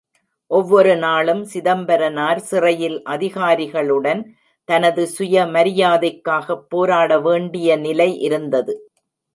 ஒவ்வொரு நாளும் சிதம்பரனார் சிறையில் அதிகாரிகளுடன் தனது சுயமரியாதைக்காகப் போராட வேண்டிய நிலை இருந்தது.